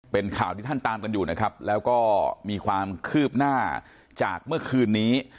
เป็นข่าวที่ท่านตามกันอยู่นะครับแล้วก็มีความคืบหน้าจากเมื่อคืนนี้